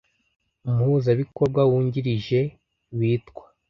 Umuhuzabikorwa wungirije bitwa